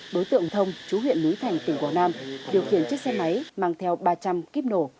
đối tượng thông chú huyện núi thành tỉnh quảng nam điều khiển chiếc xe máy mang theo ba trăm linh kíp nổ